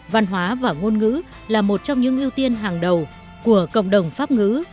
văn hóa và ngôn ngữ là một trong những ưu tiên hàng đầu của cộng đồng pháp ngữ